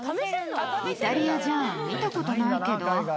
イタリアじゃあ、見たことないけど。